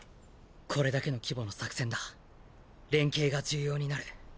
これだけの規模の作戦だ連携が重要になる。